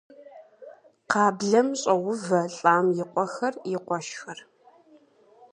Кхъаблэм щӏоувэ лӏам и къуэхэр, и къуэшхэр.